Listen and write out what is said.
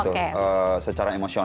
terlalu sering kedatangan ni mohon sukakan